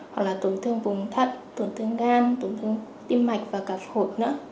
hoặc là tổn thương vùng thận tổn thương gan tổn thương tim mạch và cả phổi nữa